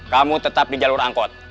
kamu tetap di jalur angkot